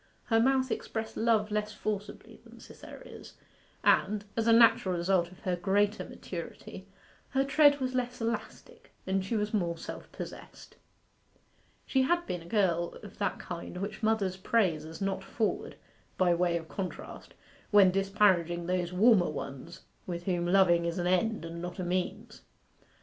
Her mouth expressed love less forcibly than Cytherea's, and, as a natural result of her greater maturity, her tread was less elastic, and she was more self possessed. She had been a girl of that kind which mothers praise as not forward, by way of contrast, when disparaging those warmer ones with whom loving is an end and not a means.